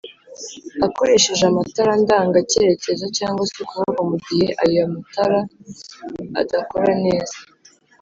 akoresheje amatara ndanga cyerekezo cg se ukuboko mugihe ayo matara adakora neza